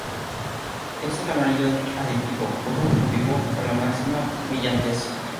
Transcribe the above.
Es el amarillo aditivo puro o vivo con la máxima brillantez.